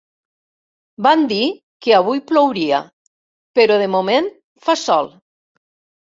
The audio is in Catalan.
Van dir que avui plouria però de moment fa sol.